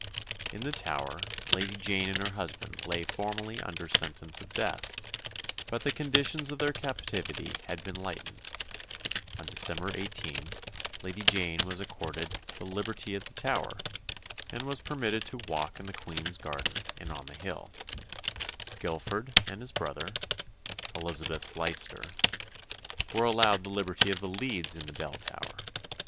In the Tower Lady Jane and her husband lay formally under sentence of death, but the conditions of their captivity had been lightened; on December 18 Lady Jane was accorded "the liberty of the Tower," and was permitted to walk in the Queen's garden and on the hill; Guilford and his brother Elizabeth's Leicester were allowed the liberty of the leads in the Bell Tower.